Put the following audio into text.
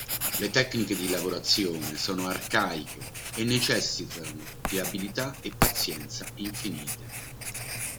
Le tecniche di lavorazione sono arcaiche e necessitano di abilità e pazienza infinite.